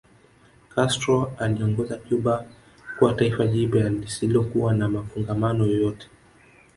Castro aliiongoza Cuba kuwa taifa jipya lisilokuwa na mafungamano yoyote